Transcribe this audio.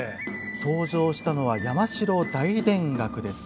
登場したのは「山代大田楽」です。